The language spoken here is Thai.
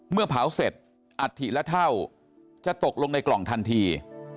เมื่อเผาเสร็จอัฐิและเท่าจะตกลงในกล่องทันที